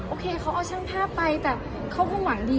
โอเคเขาเอาช่างภาพไปแต่เขาคงหวังดี